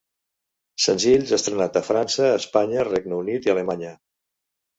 Senzills estrenats a França, Espanya, Regne Unit i Alemanya.